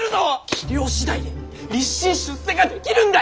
器量次第で立身出世ができるんだ！